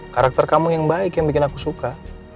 karakter kamu yang baik yang bikin aku suka